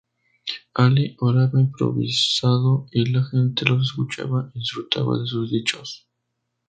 Ali oraba improvisado y la gente los escuchaba y disfrutaba de sus dichos.